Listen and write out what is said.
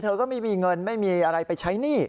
เธอก็ไม่มีเงินไม่มีอะไรไปใช้หนี้